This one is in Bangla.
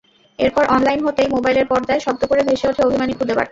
এরপর অনলাইন হতেই মোবাইলের পর্দায় শব্দ করে ভেসে ওঠে অভিমানী খুদে বার্তা।